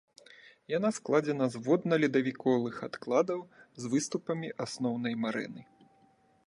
Яна складзена з водна-ледавіковых адкладаў з выступамі асноўнай марэны.